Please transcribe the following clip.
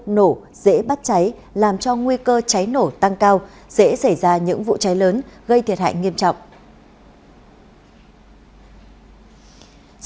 nổ dễ bắt cháy làm cho nguy cơ cháy nổ tăng cao dễ xảy ra những vụ cháy lớn gây thiệt hại nghiêm trọng